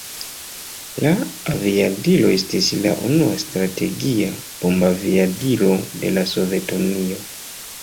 La aviadilo estis la unua strategia bombaviadilo de la Sovetunio.